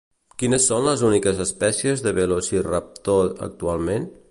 Quines són les úniques espècies de Velociraptor actualment?